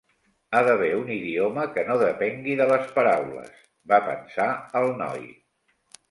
Ha d'haver un idioma que no depengui de les paraules, va pensar el noi.